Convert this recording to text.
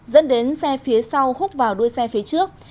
dẫn đến xe phía sau hút vào đuôi xe phía trước